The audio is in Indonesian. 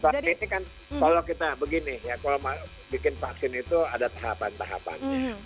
vaksin ini kan kalau kita begini kalau bikin vaksin itu ada tahapan tahapan